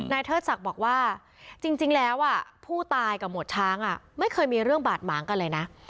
เทิดศักดิ์บอกว่าจริงแล้วผู้ตายกับหมวดช้างไม่เคยมีเรื่องบาดหมางกันเลยนะ